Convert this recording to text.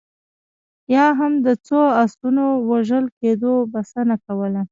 یا هم د څو اسونو وژل کېدو بسنه کوله.